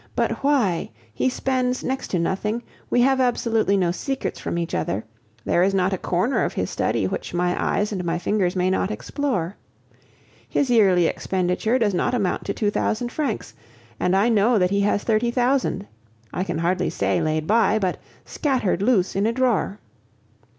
But why? He spends next to nothing; we have absolutely no secrets from each other; there is not a corner of his study which my eyes and my fingers may not explore. His yearly expenditure does not amount to two thousand francs, and I know that he has thirty thousand, I can hardly say laid by, but scattered loose in a drawer.